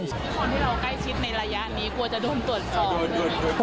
ทุกคนที่เราใกล้ชิดในระยะนี้กลัวจะโดนตรวจสอบ